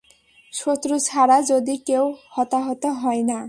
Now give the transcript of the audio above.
শত্রু ছাড়া যদি কেউ হতাহত হয় না?